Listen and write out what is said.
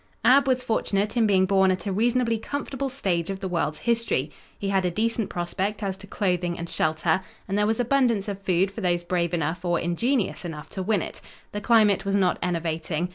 Ab was fortunate in being born at a reasonably comfortable stage of the world's history. He had a decent prospect as to clothing and shelter, and there was abundance of food for those brave enough or ingenious enough to win it. The climate was not enervating.